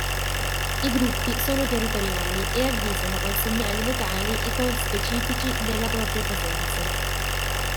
I gruppi sono territoriali e avvisano con segnali vocali i conspecifici della propria presenza.